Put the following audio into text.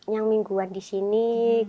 yang mingguan disini